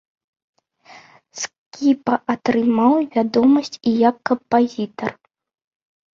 Скіпа атрымаў вядомасць і як кампазітар.